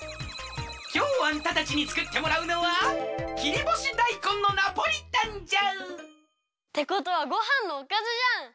きょうあんたたちにつくってもらうのは切りぼしだいこんのナポリタンじゃ！ってことはごはんのおかずじゃん！